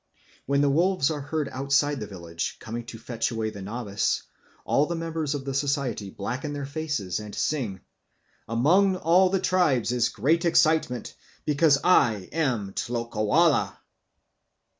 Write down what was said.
When the wolves are heard outside the village, coming to fetch away the novice, all the members of the society blacken their faces and sing, "Among all the tribes is great excitement, because I am Tlokoala."